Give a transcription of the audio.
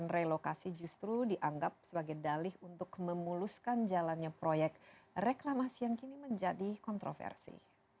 relokasi justru dianggap sebagai dalih untuk memuluskan jalannya proyek reklamasi yang kini menjadi kontroversi